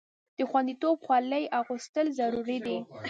د خوندیتوب خولۍ اغوستل ضروري دي.